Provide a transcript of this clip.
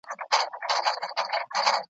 نه یې توره نه یې سپر وي جنګیالی پکښی پیدا کړي `